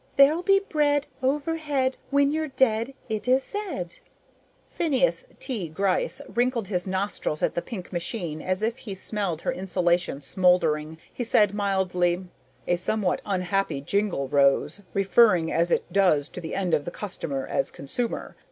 "There'll be bread Overhead When you're dead It is said." Phineas T. Gryce wrinkled his nostrils at the pink machine as if he smelled her insulation smoldering. He said mildly, "A somewhat unhappy jingle, Rose, referring as it does to the end of the customer as consumer.